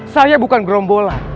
saya bukan gerombolan